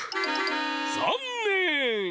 ざんねん！